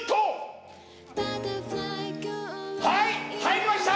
はい入りました！